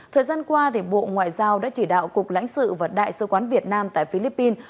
thời gian qua bộ ngoại giao đã chỉ đạo cục lãnh sự và đại sứ quán việt nam tại philippines